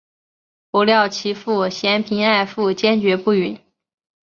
不料其父嫌贫爱富坚决不允。